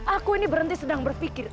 aku ini berhenti sedang berpikir